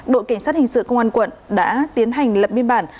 đội cảnh sát hình sự công an quận đã tiến hành lập biên bản